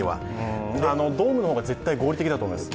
ドームの方が絶対合理的だと思います。